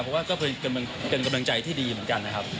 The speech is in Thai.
เพราะว่าก็เป็นกำลังใจที่ดีเหมือนกันนะครับ